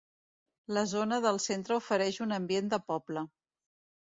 La zona del centre ofereix un ambient de poble.